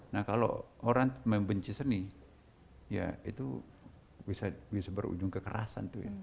nah kalau orang membenci seni ya itu bisa berujung kekerasan tuh ya